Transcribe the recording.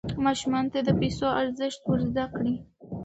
ماشومانو ته د پیسو ارزښت ور زده کړئ.